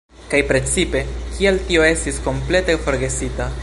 Kaj precipe, kial tio estis komplete forgesita?